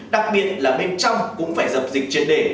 đặc biệt là bên trong cũng phải dập dịch chuyên đề